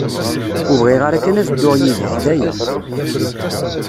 Ur bɣiɣ ara kan ad dduɣ yid-k, d aya.